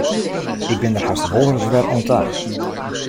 Ik bin der hast wolris wer oan ta.